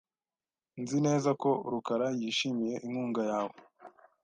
Nzi neza ko rukara yishimiye inkunga yawe .